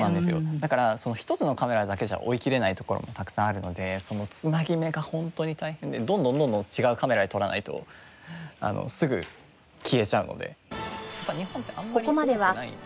だから１つのカメラだけじゃ追いきれないところもたくさんあるので繋ぎ目がホントに大変でどんどんどんどん違うカメラで撮らないとすぐ消えちゃうので。